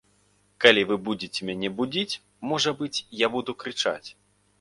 Калі вы будзеце мяне будзіць, можа быць, я буду крычаць.